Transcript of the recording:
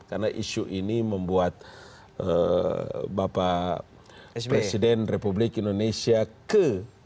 karena isu ini membuat bapak presiden republik indonesia ke enam